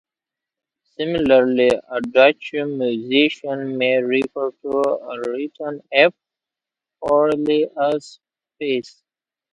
Similarly a Dutch musician may refer to a written F orally as Fis.